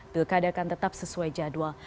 pilkada akan tetap sesuai jadwal